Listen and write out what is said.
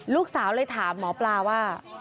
ลูกสาวเลยถามหมอปลาว่า